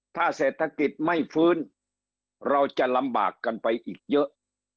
ถ้าเศรษฐกิจไม่ฟื้นเราจะลำบากกันไปอีกเยอะ